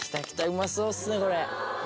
うまそうっすね！